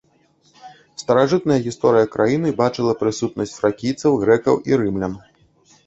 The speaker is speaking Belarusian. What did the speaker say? Старажытная гісторыя краіны бачыла прысутнасць фракійцаў, грэкаў і рымлян.